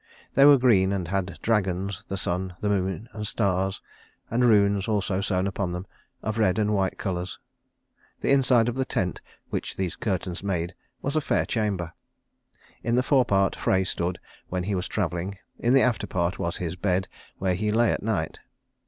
They were green and had dragons, the sun, the moon and stars, and runes also sewn upon them, of red and white colours. The inside of the tent which these curtains made was a fair chamber. In the forepart Frey stood when he was travelling; in the afterpart was his bed where he lay at night.